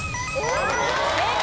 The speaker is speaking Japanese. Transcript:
正解。